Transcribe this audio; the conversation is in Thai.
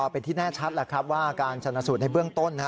เป็นทีแน่ชัดแล้วการฉันสูจน์ในเบื้องต้น